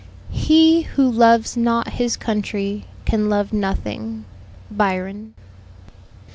"He who loves not his country can love nothing." BYRON.